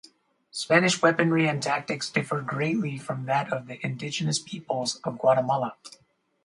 Spanish weaponry and tactics differed greatly from that of the indigenous peoples of Guatemala.